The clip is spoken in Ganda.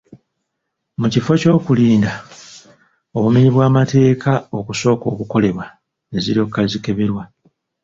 Mu kifo ky’okulinda obumenyi bw’amateeka okusooka okukolebwa ne ziryoka zikeberwa.